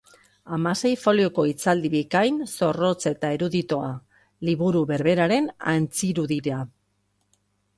Hamasei folioko hitzaldi bikain, zorrotz eta eruditoa, liburu berberaren antzirudira.